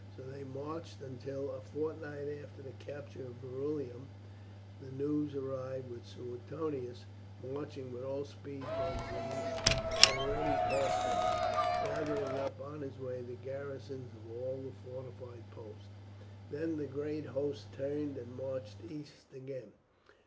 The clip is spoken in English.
So they marched until, a fortnight after the capture of Verulamium, the news arrived that Suetonius, marching with all speed towards the east, had already passed them, gathering up on his way the garrisons of all the fortified posts. Then the great host turned and marched east again.